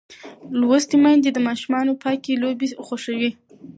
لوستې میندې د ماشوم پاکې لوبې خوښوي.